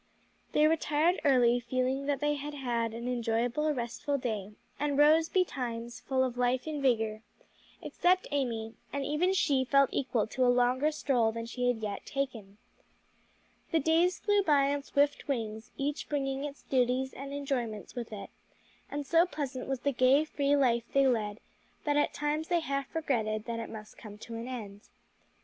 They retired early, feeling that they had had an enjoyable, restful day, and rose betimes, full of life and vigor except Amy; and even she felt equal to a longer stroll than she had yet taken. The days flew by on swift wings, each bringing its duties and enjoyments with it, and so pleasant was the gay, free life they led that at times they half regretted that it must come to an end.